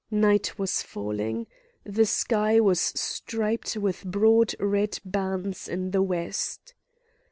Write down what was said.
Night was falling; the sky was striped with broad red bands in the west.